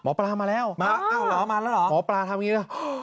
หมอปลามาแล้วหมอปลาทำอย่างนี้